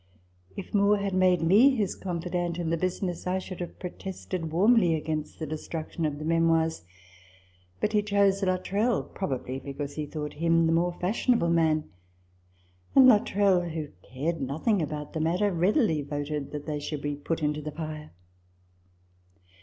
If Moore had made me his confidant in the business, I should have protested warmly against the destruc tion of the " Memoirs ": but he chose Luttrell, probably because he thought him the more fashion able man ; and Luttrell, who cared nothing about the matter, readily voted that they should be put into the fire.